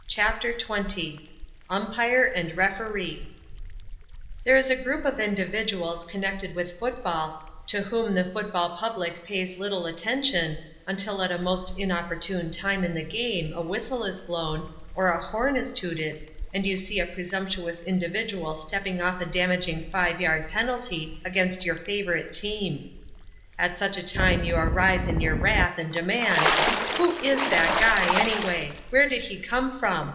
CHAPTER XX UMPIRE AND REFEREE There is a group of individuals connected with football to whom the football public pays little attention, until at a most inopportune time in the game, a whistle is blown, or a horn is tooted and you see a presumptuous individual stepping off a damaging five yard penalty against your favorite team. At such a time you arise in your wrath and demand: "Who is that guy anyway? Where did he come from?